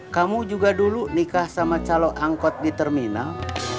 kamu juga dulu nikah sama calon angkot di terminal